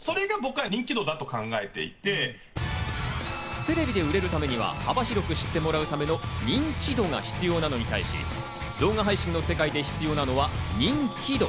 テレビで売れるためには幅広く知ってもらうための認知度が必要なのに対し、動画配信の世界で必要なのは人気度。